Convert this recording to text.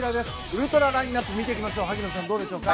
ウルトララインアップを見ていきましょう。